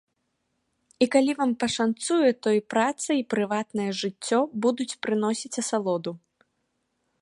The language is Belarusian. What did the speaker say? І калі вам пашанцуе, то і праца, і прыватнае жыццё будуць прыносіць асалоду.